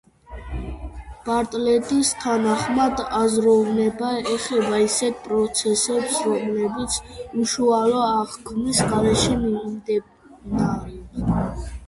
ბარტლეტის თანახმად, აზროვნება ეხება ისეთ პროცესებს, რომლებიც უშუალო აღქმის გარეშე მიმდინარეობს.